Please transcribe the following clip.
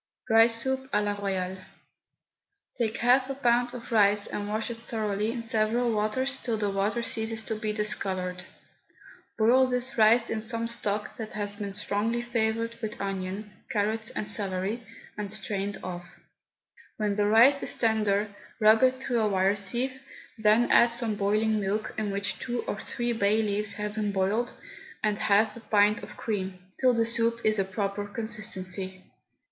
RICE SOUP A LA ROYALE. Take half a pound of rice and wash it thoroughly in several waters till the water ceases to be discoloured. Boil this rice in some stock that has been strongly flavoured with onion, carrot and celery, and strained off. When the rice is tender rub it through a wire sieve, then add some boiling milk, in which two or three bay leaves have been boiled, and half a pint of cream, till the soup is a proper consistency.